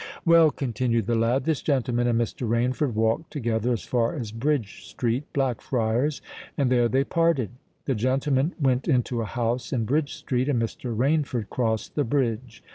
"Well," continued the lad, "this gentleman and Mr. Rainford walked together as far as Bridge Street, Blackfriars: and there they parted. The gentleman went into a house in Bridge Street—and Mr. Rainford crossed the bridge.